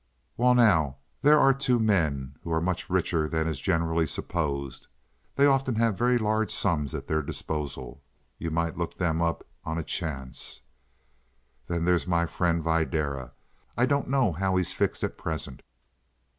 "Well, now, there are two men who are much richer than is generally supposed. They often have very large sums at their disposal. You might look them up on a chance. Then there's my friend Videra. I don't know how he is fixed at present.